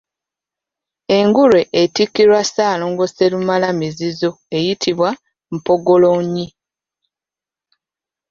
Engule etikkirwa Ssaalongo Sserumala mizizo eyitibwa Mpongolonyi.